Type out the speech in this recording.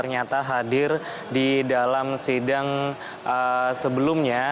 ternyata hadir di dalam sidang sebelumnya